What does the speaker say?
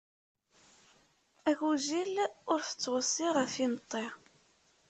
Agujil ur t-ttweṣṣi ɣef imeṭṭi.